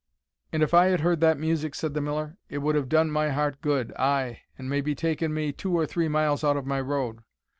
"And if I had heard that music," said the Miller, "it would have done my heart good, ay, and may be taken me two or three miles out of my road.